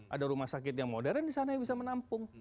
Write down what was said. ada rumah sakit yang modern di sana yang bisa menampung